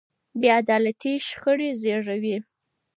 بې عدالتي شخړې زېږوي.